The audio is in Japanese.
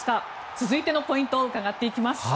続いてのポイントを伺っていきます。